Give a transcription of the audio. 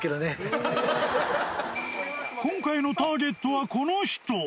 今回のターゲットはこの人。